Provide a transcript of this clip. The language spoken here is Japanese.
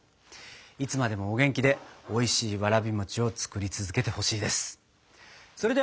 いつまでもお元気でおいしいわらび餅を作り続けてほしいです。